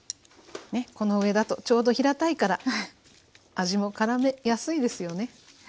この上だとちょうど平たいから味もからめやすいですよね。